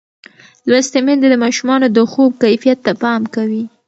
لوستې میندې د ماشومانو د خوب کیفیت ته پام کوي.